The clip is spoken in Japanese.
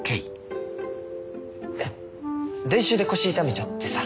えっ練習で腰痛めちゃってさ。